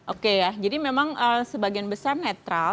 oke ya jadi memang sebagian besar netral